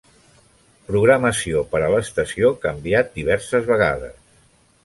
Programació per a l'estació canviat diverses vegades.